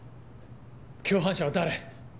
共犯者は誰？